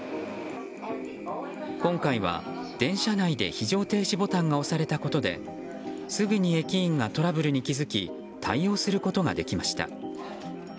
今回は電車内で非常停止ボタンが押されたことですぐに駅員がトラブルに気付き対応することができました。